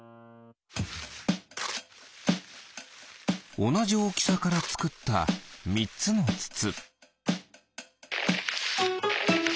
おなじおおきさからつくったみっつのつつ。